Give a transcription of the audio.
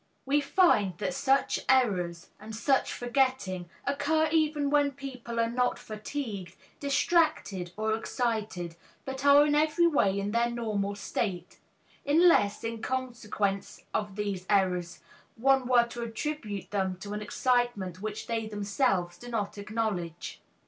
We find that such errors and such forgetting occur even when people are not fatigued, distracted or excited, but are in every way in their normal state; unless, in consequence of these errors, one were to attribute to them an excitement which they themselves do not acknowledge.